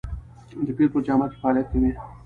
د پیر په جامه کې فعالیت کوي.